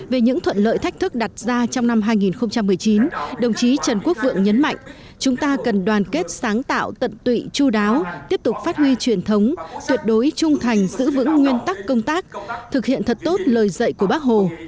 về những thuận lợi thách thức đặt ra trong năm hai nghìn một mươi chín đồng chí trần quốc vượng nhấn mạnh chúng ta cần đoàn kết sáng tạo tận tụy chú đáo tiếp tục phát huy truyền thống tuyệt đối trung thành giữ vững nguyên tắc công tác thực hiện thật tốt lời dạy của bác hồ